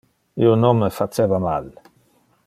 Io non me faceva mal.